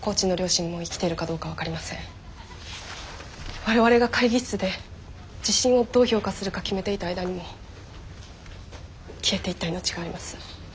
我々が会議室で地震をどう評価するか決めていた間にも消えていった命があります。